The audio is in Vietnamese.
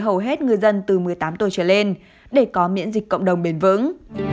hầu hết ngư dân từ một mươi tám tuổi trở lên để có miễn dịch cộng đồng bền vững